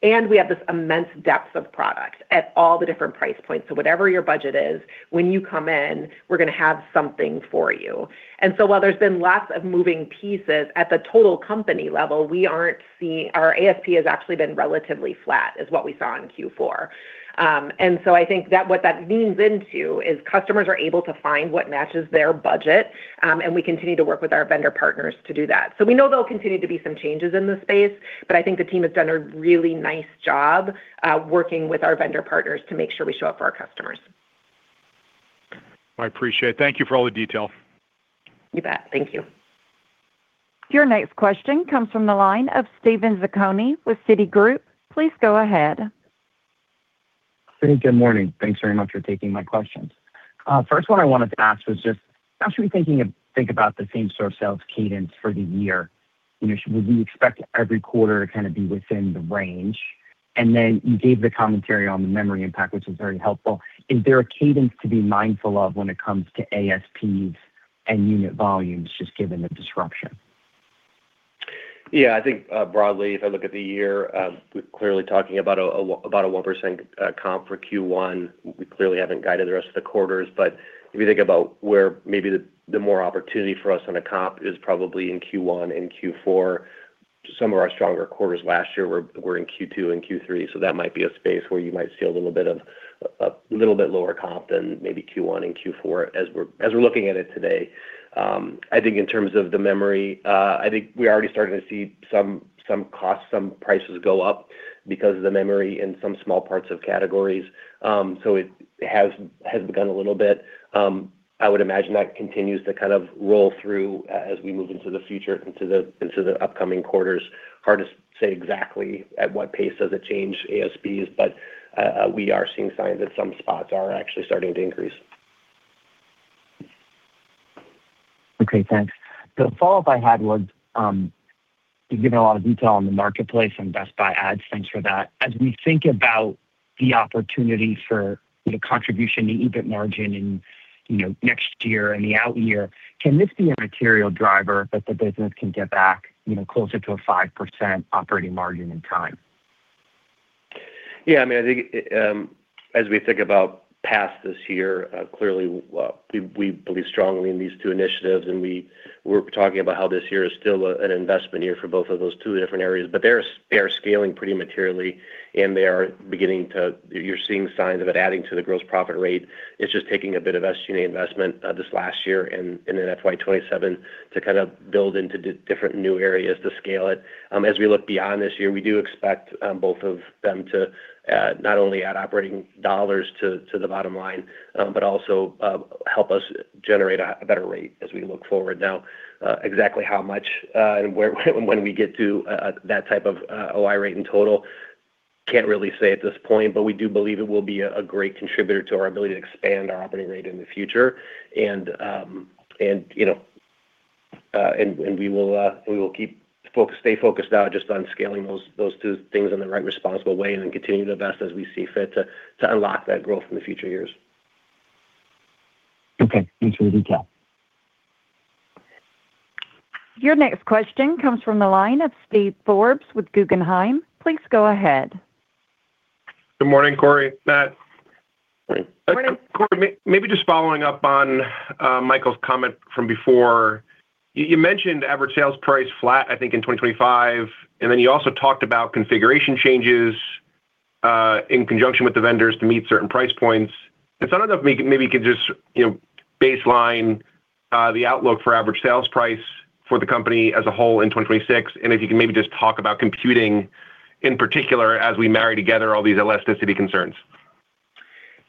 We have this immense depth of product at all the different price points. Whatever your budget is, when you come in, we're gonna have something for you. While there's been lots of moving pieces at the total company level, Our ASP has actually been relatively flat, is what we saw in Q4. I think that what that leans into is customers are able to find what matches their budget, and we continue to work with our vendor partners to do that. We know there'll continue to be some changes in this space, but I think the team has done a really nice job working with our vendor partners to make sure we show up for our customers. I appreciate it. Thank you for all the detail. You bet. Thank you. Your next question comes from the line of Steven Zaccone with Citigroup. Please go ahead. Hey, good morning. Thanks very much for taking my questions. First one I wanted to ask was just how should we think about the same-store sales cadence for the year? You know, would we expect every quarter to kind of be within the range? Then you gave the commentary on the memory impact, which was very helpful. Is there a cadence to be mindful of when it comes to ASPs and unit volumes, just given the disruption? Yeah. I think broadly, if I look at the year, we're clearly talking about a 1% comp for Q1. We clearly haven't guided the rest of the quarters, if you think about where maybe the more opportunity for us on a comp is probably in Q1 and Q4. Some of our stronger quarters last year were in Q2 and Q3, that might be a space where you might see a little bit lower comp than maybe Q1 and Q4 as we're looking at it today. I think in terms of the memory, I think we're already starting to see some costs, some prices go up because of the memory in some small parts of categories. It has begun a little bit. I would imagine that continues to kind of roll through as we move into the future, into the upcoming quarters. Hard to say exactly at what pace does it change ASPs, but, we are seeing signs that some spots are actually starting to increase. Okay, thanks. The follow-up I had was, you've given a lot of detail on the marketplace and Best Buy Ads. Thanks for that. As we think about the opportunity for the contribution to EBIT margin in, you know, next year and the out year, can this be a material driver that the business can get back, you know, closer to a 5% operating margin in time? I mean, I think, as we think about past this year, clearly we believe strongly in these two initiatives, and we're talking about how this year is still an investment year for both of those two different areas. They are scaling pretty materially, and you're seeing signs of it adding to the gross profit rate. It's just taking a bit of SG&A investment this last year and then FY 2027 to kind of build into different new areas to scale it. As we look beyond this year, we do expect both of them to not only add operating dollars to the bottom line, but also help us generate a better rate as we look forward. Exactly how much and where when we get to that type of OI rate in total, can't really say at this point, but we do believe it will be a great contributor to our ability to expand our operating rate in the future. You know, we will stay focused now just on scaling those two things in the right responsible way and then continue to invest as we see fit to unlock that growth in the future years. Okay. Thanks for the detail. Your next question comes from the line of Steven Forbes with Guggenheim. Please go ahead. Good morning, Corie, Matt. Morning. Corie, maybe just following up on Michael's comment from before. You mentioned average sales price flat, I think, in 2025, and then you also talked about configuration changes in conjunction with the vendors to meet certain price points. If I don't know if maybe you could just, you know, baseline the outlook for average sales price for the company as a whole in 2026, and if you can maybe just talk about computing in particular as we marry together all these elasticity concerns.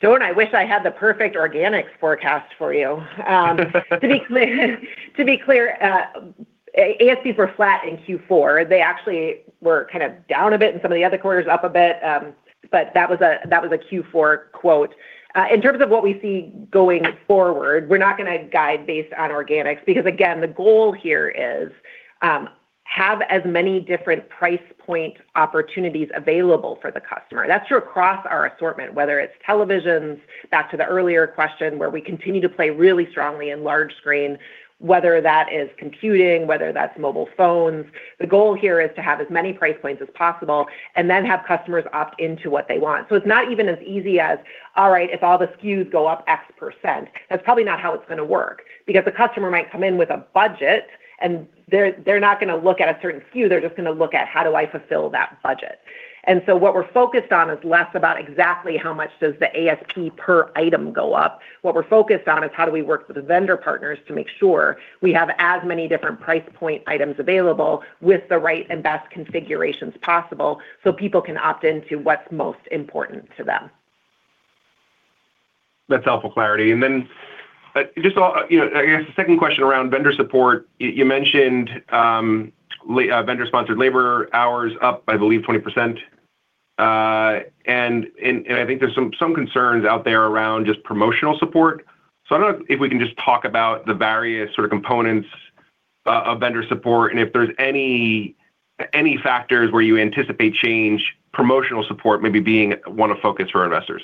Don't I wish I had the perfect organics forecast for you. To be clear, ASP were flat in Q4. They actually were kind of down a bit in some of the other quarters, up a bit. That was a Q4 quote. In terms of what we see going forward, we're not gonna guide based on organics, because again, the goal here is, have as many different price point opportunities available for the customer. That's true across our assortment, whether it's televisions, back to the earlier question, where we continue to play really strongly in large screen, whether that is computing, whether that's mobile phones. The goal here is to have as many price points as possible and then have customers opt into what they want. It's not even as easy as, all right, if all the SKUs go up X percent. That's probably not how it's gonna work, because the customer might come in with a budget, and they're not gonna look at a certain SKU. They're just gonna look at, how do I fulfill that budget? What we're focused on is less about exactly how much does the ASP per item go up. What we're focused on is how do we work with the vendor partners to make sure we have as many different price point items available with the right and best configurations possible, so people can opt into what's most important to them. That's helpful clarity. You know, I guess the second question around vendor support. You mentioned vendor-sponsored labor hours up, I believe, 20%. I think there's some concerns out there around just promotional support. I don't know if we can just talk about the various sort of components of vendor support, and if there's any factors where you anticipate change, promotional support maybe being one to focus for our investors.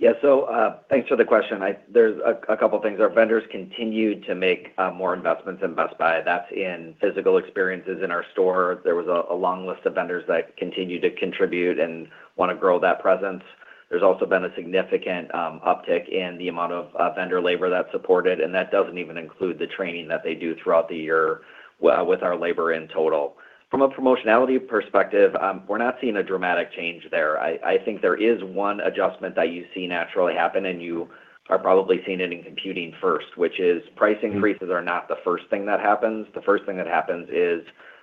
Thanks for the question. There's a couple things. Our vendors continue to make more investments in Best Buy. That's in physical experiences in our store. There was a long list of vendors that continue to contribute and wanna grow that presence. There's also been a significant uptick in the amount of vendor labor that's supported, and that doesn't even include the training that they do throughout the year with our labor in total. From a promotionality perspective, we're not seeing a dramatic change there. I think there is one adjustment that you see naturally happen, and you are probably seeing it in computing first, which is pricing increases are not the first thing that happens. The first thing that happens is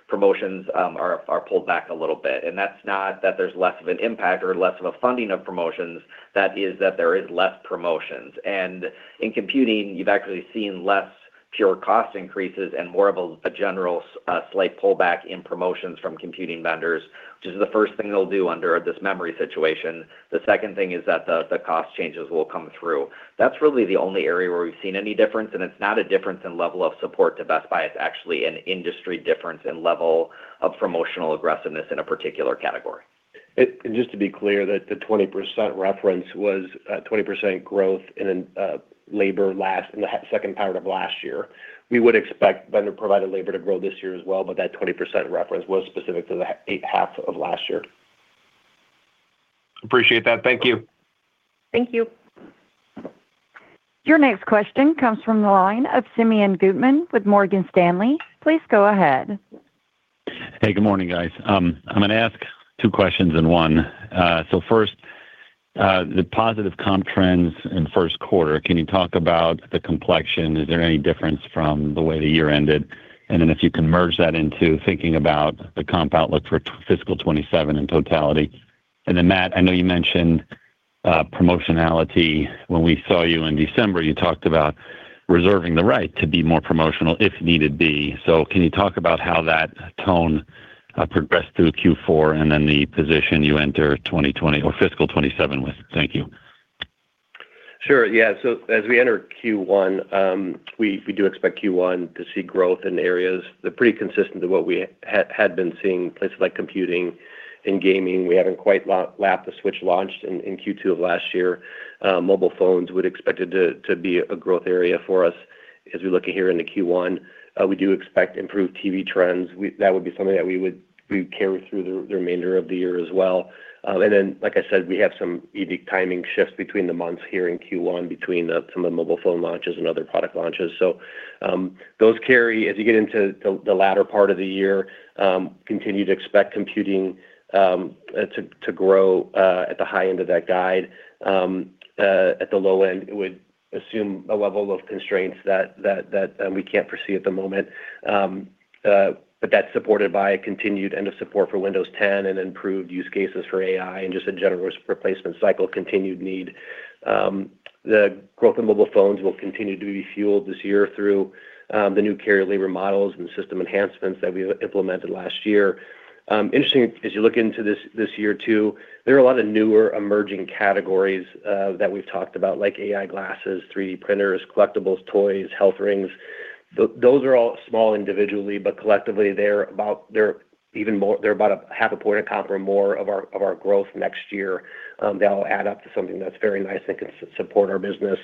promotions are pulled back a little bit. That's not that there's less of an impact or less of a funding of promotions. That is that there is less promotions. In computing, you've actually seen less pure cost increases and more of a general slight pullback in promotions from computing vendors, which is the first thing they'll do under this memory situation. The second thing is that the cost changes will come through. That's really the only area where we've seen any difference, and it's not a difference in level of support to Best Buy. It's actually an industry difference in level of promotional aggressiveness in a particular category. Just to be clear that the 20% reference was 20% growth in labor in the second part of last year. We would expect vendor-provided labor to grow this year as well. That 20% reference was specific to the half of last year. Appreciate that. Thank you. Thank you. Your next question comes from the line of Simeon Gutman with Morgan Stanley. Please go ahead. Hey, good morning, guys. I'm going to ask two questions in one. First, the positive comp trends in first quarter, can you talk about the complexion? Is there any difference from the way the year ended? If you can merge that into thinking about the comp outlook for fiscal 2027 in totality. Matt, I know you mentioned promotionality. When we saw you in December, you talked about reserving the right to be more promotional if needed be. Can you talk about how that tone progressed through Q4 and the position you enter fiscal 2027 with? Thank you. Sure. Yeah. As we enter Q1, we do expect Q1 to see growth in areas. They're pretty consistent to what we had been seeing, places like computing and gaming. We haven't quite lapped the Switch launched in Q2 of last year. Mobile phones, we'd expect it to be a growth area for us as we look at here into Q1. We do expect improved TV trends. That would be something that we carry through the remainder of the year as well. Like I said, we have some ED timing shifts between the months here in Q1 between some of the mobile phone launches and other product launches. Those carry as you get into the latter part of the year, continue to expect computing to grow at the high end of that guide. At the low end, it would assume a level of constraints that we can't foresee at the moment. That's supported by a continued end of support for Windows 10 and improved use cases for AI and just a general replacement cycle, continued need. The growth in mobile phones will continue to be fueled this year through the new carrier labor models and system enhancements that we implemented last year. As you look into this year too, there are a lot of newer emerging categories that we've talked about, like AI glasses, 3D printers, collectibles, toys, health rings. Those are all small individually, but collectively, they're about a half a point a comp or more of our growth next year. That'll add up to something that's very nice and can support our business,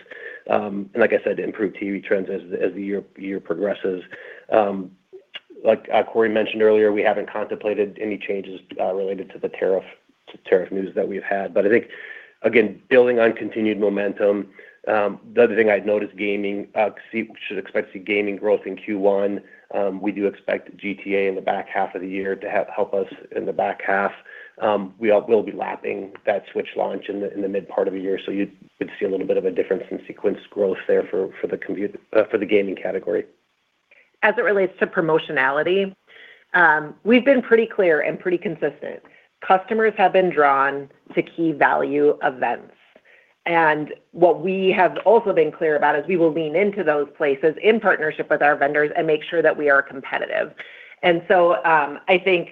and like I said, improve TV trends as the year progresses. Like Corie mentioned earlier, we haven't contemplated any changes related to the tariff news that we've had. I think, again, building on continued momentum, the other thing I'd note is gaming. We should expect to see gaming growth in Q1. We do expect GTA in the back half of the year to help us in the back half. We all will be lapping that Switch launch in the mid part of the year. You'd see a little bit of a difference in sequence growth there for the gaming category. As it relates to promotionality, we've been pretty clear and pretty consistent. Customers have been drawn to key value events. What we have also been clear about is we will lean into those places in partnership with our vendors and make sure that we are competitive. I think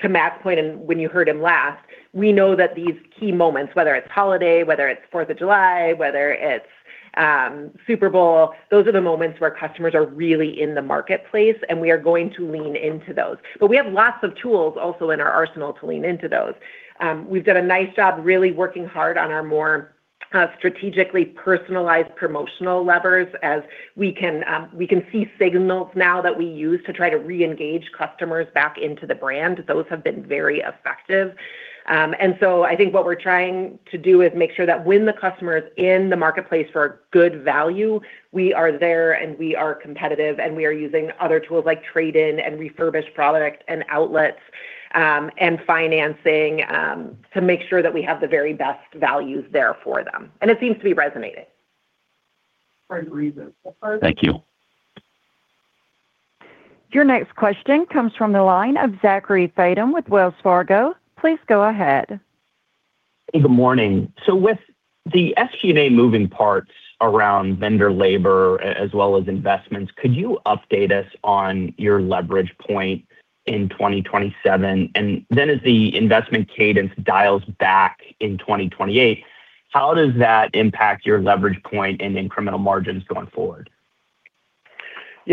to Matt's point and when you heard him last, we know that these key moments, whether it's holiday, whether it's 4th of July, whether it's Super Bowl, those are the moments where customers are really in the marketplace, and we are going to lean into those. We have lots of tools also in our arsenal to lean into those. We've done a nice job really working hard on our more strategically personalized promotional levers as we can, we can see signals now that we use to try to reengage customers back into the brand. Those have been very effective. So I think what we're trying to do is make sure that when the customer is in the marketplace for good value, we are there, and we are competitive, and we are using other tools like trade-in and refurbished product and outlets, and financing, to make sure that we have the very best values there for them. It seems to be resonating. Great. Thank you. Your next question comes from the line of Zachary Fadem with Wells Fargo. Please go ahead. Good morning. With the SG&A moving parts around vendor labor as well as investments, could you update us on your leverage point in 2027? As the investment cadence dials back in 2028, how does that impact your leverage point and incremental margins going forward?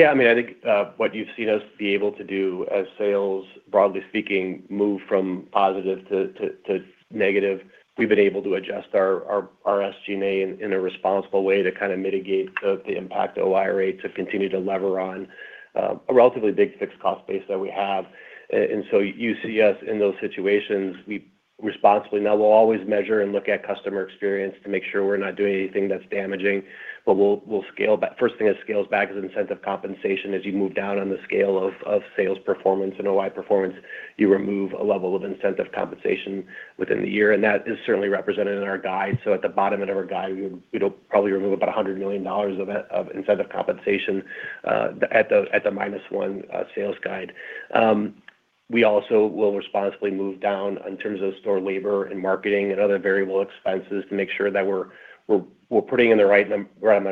I mean, I think, what you've seen us be able to do as sales, broadly speaking, move from positive to negative. We've been able to adjust our SG&A in a responsible way to kind of mitigate the impact of OIR to continue to lever on a relatively big fixed cost base that we have. You see us in those situations, we responsibly. Now we'll always measure and look at customer experience to make sure we're not doing anything that's damaging, but we'll scale back. First thing that scales back is incentive compensation. As you move down on the scale of sales performance and OI performance, you remove a level of incentive compensation within the year, that is certainly represented in our guide. At the bottom end of our guide, we'll probably remove about $100 million of incentive compensation at the -1% sales guide. We also will responsibly move down in terms of store labor and marketing and other variable expenses to make sure that we're putting in the right amount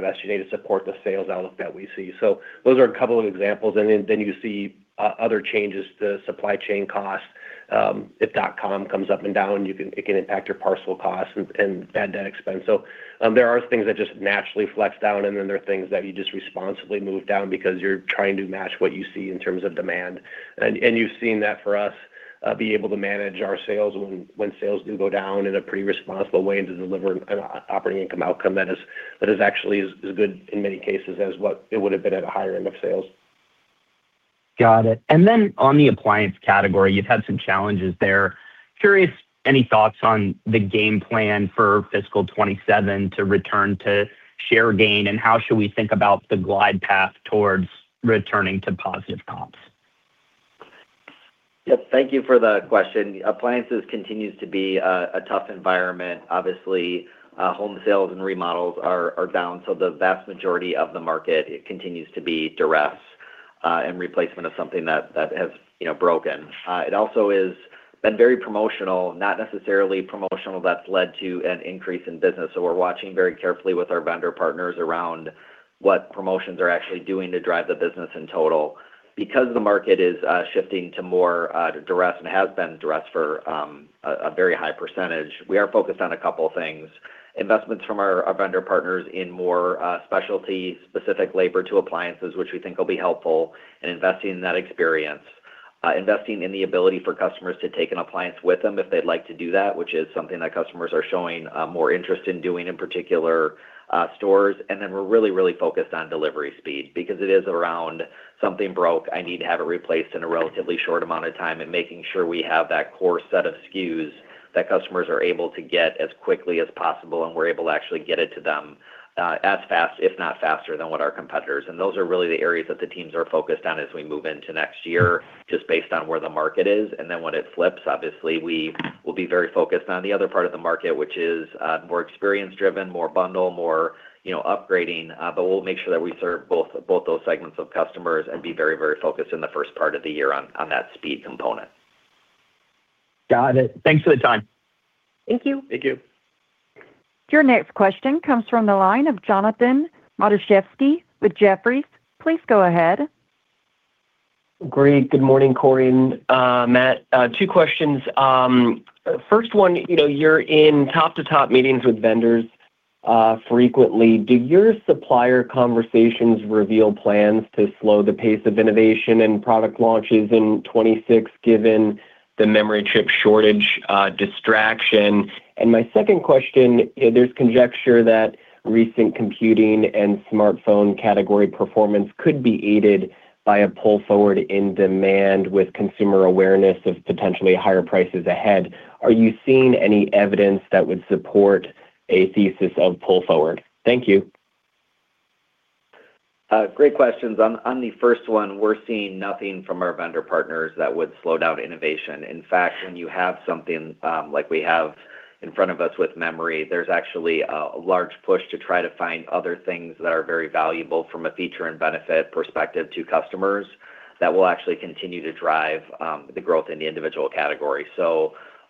of SG&A to support the sales outlook that we see. Those are a couple of examples. You see other changes to supply chain costs. If dotcom comes up and down, it can impact your parcel costs and bad debt expense. There are things that just naturally flex down, and then there are things that you just responsibly move down because you're trying to match what you see in terms of demand. You've seen that for us be able to manage our sales when sales do go down in a pretty responsible way and to deliver an operating income outcome that is actually as good in many cases as what it would have been at a higher end of sales. Got it. On the appliance category, you've had some challenges there. Curious, any thoughts on the game plan for fiscal 2027 to return to share gain, and how should we think about the glide path towards returning to positive comps? Yep. Thank you for the question. Appliances continues to be a tough environment. Obviously, home sales and remodels are down, the vast majority of the market continues to be duress, and replacement of something that has, you know, broken. It also is been very promotional, not necessarily promotional that's led to an increase in business. We're watching very carefully with our vendor partners around what promotions are actually doing to drive the business in total. The market is shifting to more duress and has been duress for a very high percentage, we are focused on a couple things. Investments from our vendor partners in more specialty specific labor to appliances, which we think will be helpful in investing in that experience, investing in the ability for customers to take an appliance with them if they'd like to do that, which is something that customers are showing more interest in doing in particular stores. Then we're really focused on delivery speed because it is around something broke, I need to have it replaced in a relatively short amount of time, and making sure we have that core set of SKUs that customers are able to get as quickly as possible, and we're able to actually get it to them as fast, if not faster than what our competitors. Those are really the areas that the teams are focused on as we move into next year, just based on where the market is. When it flips, obviously, we will be very focused on the other part of the market, which is more experience-driven, more bundle, more, you know, upgrading. We'll make sure that we serve both those segments of customers and be very, very focused in the first part of the year on that speed component. Got it. Thanks for the time. Thank you. Thank you. Your next question comes from the line of Jonathan Matuszewski with Jefferies. Please go ahead. Great. Good morning, Corie and Matt. Two questions. First one, you know, you're in top-to-top meetings with vendors, frequently. Do your supplier conversations reveal plans to slow the pace of innovation and product launches in 2026, given the memory chip shortage, distraction? My second question, there's conjecture that recent computing and smartphone category performance could be aided by a pull forward in demand with consumer awareness of potentially higher prices ahead. Are you seeing any evidence that would support a thesis of pull forward? Thank you. Great questions. On the first one, we're seeing nothing from our vendor partners that would slow down innovation. In fact, when you have something, like we have in front of us with memory, there's actually a large push to try to find other things that are very valuable from a feature and benefit perspective to customers that will actually continue to drive the growth in the individual category.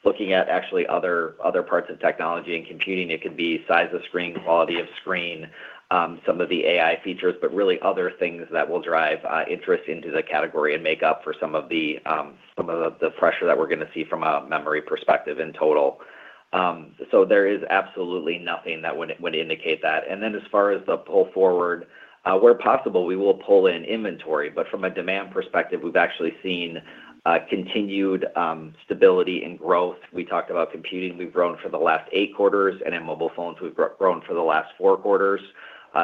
Looking at actually other parts of technology and computing, it could be size of screen, quality of screen, some of the AI features, but really other things that will drive interest into the category and make up for some of the, some of the pressure that we're gonna see from a memory perspective in total. There is absolutely nothing that would indicate that. As far as the pull forward, where possible, we will pull in inventory. From a demand perspective, we've actually seen continued stability and growth. We talked about computing, we've grown for the last eight quarters, and in mobile phones, we've grown for the last four quarters.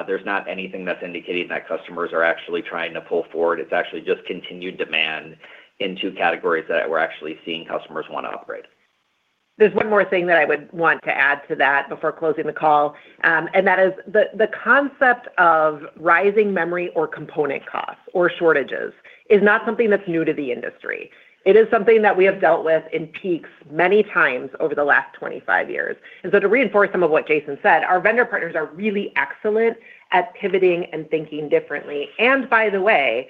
There's not anything that's indicating that customers are actually trying to pull forward. It's actually just continued demand in two categories that we're actually seeing customers wanna operate. There's one more thing that I would want to add to that before closing the call, that is the concept of rising memory or component costs or shortages is not something that's new to the industry. It is something that we have dealt with in peaks many times over the last 25 years. To reinforce some of what Jason said, our vendor partners are really excellent at pivoting and thinking differently. By the way,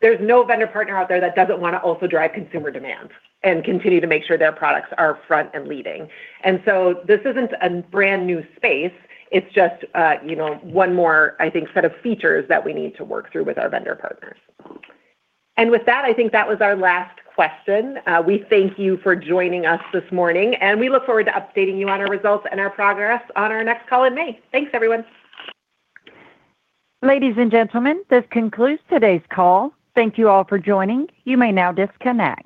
there's no vendor partner out there that doesn't wanna also drive consumer demand and continue to make sure their products are front and leading. This isn't a brand new space, it's just, you know, one more, I think, set of features that we need to work through with our vendor partners. With that, I think that was our last question. We thank you for joining us this morning, and we look forward to updating you on our results and our progress on our next call in May. Thanks everyone. Ladies and gentlemen, this concludes today's call. Thank you all for joining. You may now disconnect.